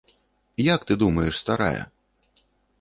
Як ты думаеш, старая?